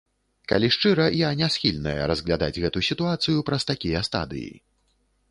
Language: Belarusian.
Калі шчыра, я не схільная разглядаць гэту сітуацыю праз такія стадыі.